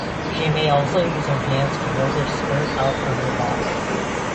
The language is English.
She may also use her hands to hold her skirt out from her body.